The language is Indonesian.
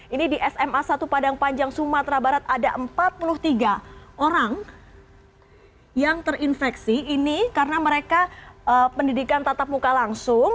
ini di sma satu padang panjang sumatera barat ada empat puluh tiga orang yang terinfeksi ini karena mereka pendidikan tatap muka langsung